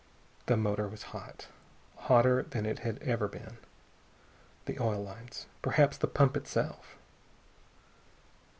The motor was hot. Hotter than it had ever been. The oil lines, perhaps the pump itself....